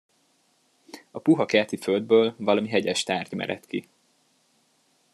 A puha kerti földből valami hegyes tárgy meredt ki.